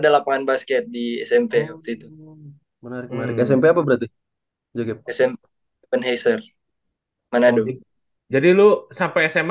lapangan basket di smp waktu itu menarik smp apa berarti juga smp pencer mana jadi lu sampai sma